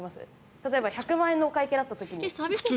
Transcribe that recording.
例えば１００万円のお会計だった時に。